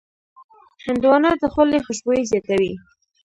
هندوانه د خولې خوشبويي زیاتوي.